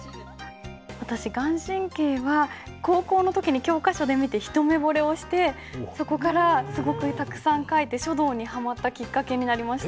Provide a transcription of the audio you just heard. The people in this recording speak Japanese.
私顔真は高校の時に教科書で見て一目ぼれをしてそこからすごくたくさん書いて書道にはまったきっかけになりました。